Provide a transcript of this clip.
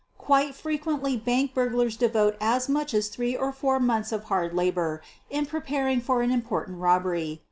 Quite frequently bank burglars devote as much as three or four months of hard labor in preparing for an important robbery